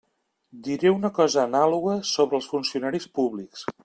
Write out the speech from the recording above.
Diré una cosa anàloga sobre els funcionaris públics.